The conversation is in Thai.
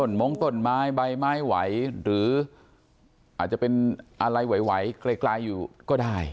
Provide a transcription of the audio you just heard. มงต้นไม้ใบไม้ไหวหรืออาจจะเป็นอะไรไหวไกลอยู่ก็ได้